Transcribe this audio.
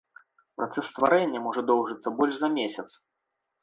Працэс стрававання можа доўжыцца больш за месяц.